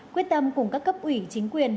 quyết tâm cùng các cấp ủy chính quyền